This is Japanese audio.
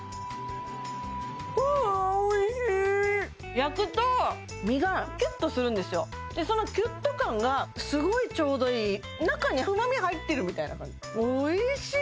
焼くと身がキュッとするんですよでそのキュッと感がすごいちょうどいい中に旨み入ってるみたいな感じおいしい！